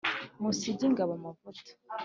Musige ingabo amavuta